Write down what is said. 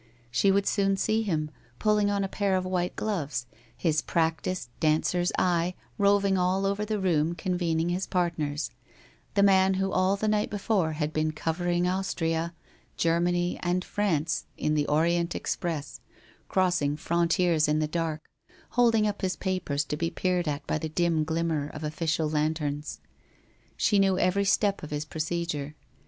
She would soon see him, pulling on a pair of white gloves, his practised dancer's eye roving all over the room convening his partners, the man who all the night before had been covering Austria, Germany and France in the Orient express, crossing fron tiers in the dark, holding up his papers to be peered at by the dim glimmer of official lanterns. She knew every step of his procedure.